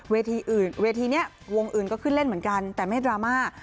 เวทีนี้วงอื่นก็ขึ้นเล่นเหมือนกันแต่ไม่ดราม่า